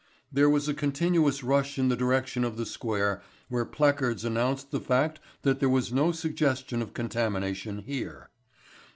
There was a continuous rush in the direction of the Square where placards announced the fact that there was no suggestion of contamination here.